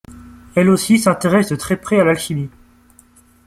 Elle aussi s'intéresse de très près à l'alchimie.